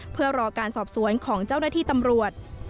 เพื่อรอการสอบสวนของเจ้าหน้าที่ตำรวจ